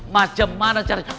macam mana caranya